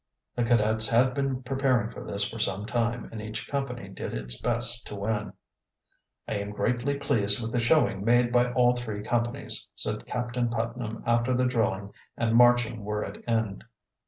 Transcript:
The cadets had been preparing for this for some time and each company did its best to win. "I am greatly pleased with the showing made by all three companies," said Captain Putnam after the drilling and marching were at an end.